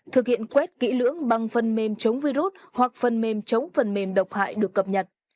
thực hiện quét kỹ lưỡng bằng phần mềm chống virus hoặc phần mềm chống phần mềm độc hại được cập nhật